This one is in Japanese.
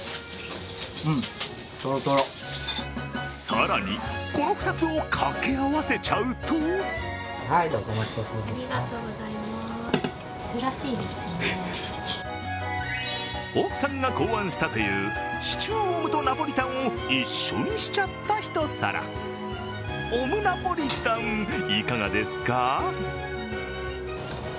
更に、この２つをかけ合わせちゃうと奥さんが考案したというシチューオムとナポリタンを一緒にしちゃった一皿、オムナポリタン、いかがですか？